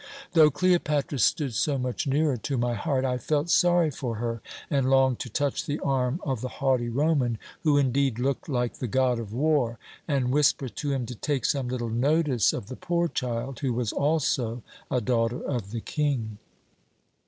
Though Cleopatra stood so much nearer to my heart, I felt sorry for her, and longed to touch the arm of the haughty Roman, who indeed looked like the god of war, and whisper to him to take some little notice of the poor child, who was also a daughter of the King.